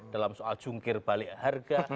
dalam soal jungkir balik harga